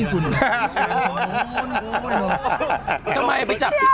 ผมเครื่องหน้าม็กไปจับผิดคน